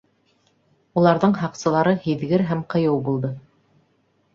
Уларҙың һаҡсылары һиҙгер һәм ҡыйыу булды